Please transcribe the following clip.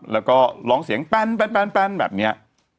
แล้วก็ร้องเสียงแปนแบบนี้